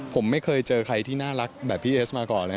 ผมไม่เคยเจอใครที่น่ารักแบบพี่เอสมาก่อนเลย